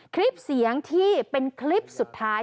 คลิปเสียงที่เป็นคลิปสุดท้าย